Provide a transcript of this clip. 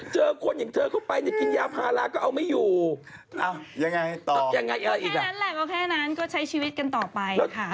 จริงสังคมเธอเป็นอีเวนท์น่ากลัว